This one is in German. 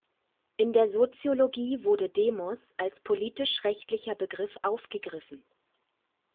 In der Soziologie wurde "Demos" als politisch-rechtlicher Begriff aufgegriffen.